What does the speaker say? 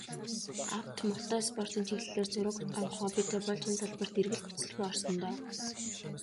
Авто, мото спортын чиглэлээр зураг авах хоббитой болж, энэ салбарт эргэлт буцалтгүй орсон доо.